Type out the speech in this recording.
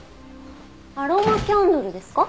アロマキャンドルですか？